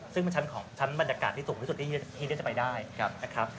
ซึ่งเป็นชั้นของชั้นบรรยากาศที่สูงที่สุดที่จะไปได้นะครับ